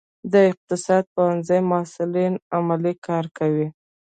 د اقتصاد پوهنځي محصلین عملي کار کوي؟